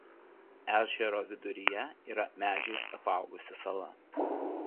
Ežero viduryje yra medžiais apaugusi sala.